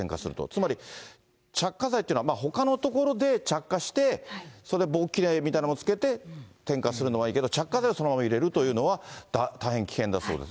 つまり、着火剤というのは、ほかのところで着火して、それで棒切れみたいなのをつけて、点火するのはいいけど、着火剤をそのまま入れるというのは大変危険だそうです。